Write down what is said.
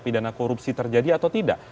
pidana korupsi terjadi atau tidak